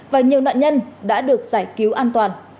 và nhiều nạn nhân đã được giải cứu an toàn